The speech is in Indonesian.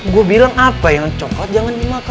gue bilang apa yang coklat jangan dimakan